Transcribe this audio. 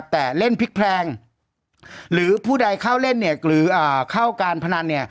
แต่เล่นพลิกแพลงหรือผู้ใดเข้าเล่นหรือเข้าการพนัน